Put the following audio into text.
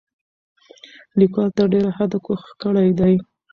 لیکوال تر ډېره حده کوښښ کړی دی،